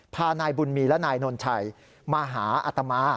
พานายบุญมีและนายนนชัยมาหาอัตมา